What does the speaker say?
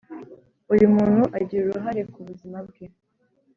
Buri muntu agira uruhare ku buzima bwe